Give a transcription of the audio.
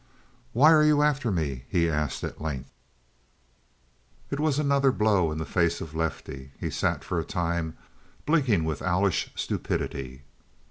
"Why are you after me?" he asked at length. It was another blow in the face of Lefty. He sat for a time blinking with owlish stupidity.